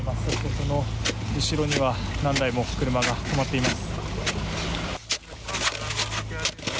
その後ろには何台も車が止まっています。